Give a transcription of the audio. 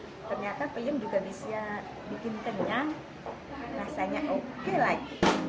ternyata peyem juga bisa bikin kenyang rasanya oke lagi